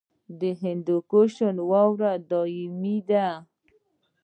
د هندوکش واورې دایمي دي